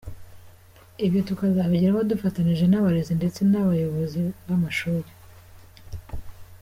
Ibyo tukazabigeraho dufatanyije n’abarezi ndetse n’abayobozi b’amashuri.